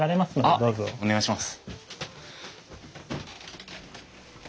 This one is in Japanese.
あっお願いします。